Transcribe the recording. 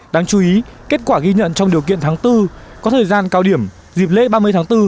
đáng chú ý kết quả ghi nhận trong điều kiện tháng bốn có thời gian cao điểm dịp lễ ba mươi tháng bốn